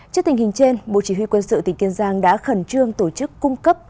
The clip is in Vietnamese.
trước tình hình trên bộ chỉ huy quân sự tỉnh kiên giang đã khẩn trương tổ chức cung cấp